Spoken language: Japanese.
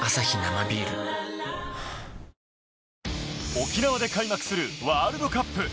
沖縄で開幕するワールドカップ。